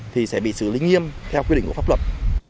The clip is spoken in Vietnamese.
thì sẽ bị xử lý nghiêm theo quy định của pháp luật